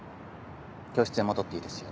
教室へ戻っていいですよ。